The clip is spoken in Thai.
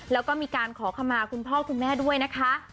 แล้วก็มีการขอขมาคุณพ่อคุณแม่ด้วยนะคะ